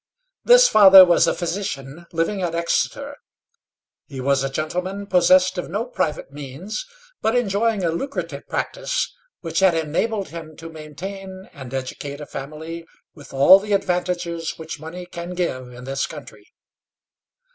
This father was a physician living at Exeter. He was a gentleman possessed of no private means, but enjoying a lucrative practice, which had enabled him to maintain and educate a family with all the advantages which money can give in this country.